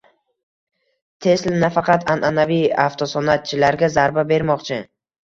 Tesla nafaqat an’anaviy avtosanoatchilarga zarba bermoqchi